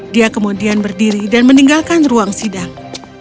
dia kemudian berdiri dan meninggalkan ruang sidang